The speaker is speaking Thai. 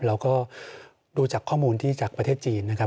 เราก็ดูจากข้อมูลที่จากประเทศจีนนะครับ